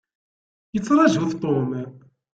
Yettṛaju-t Tom.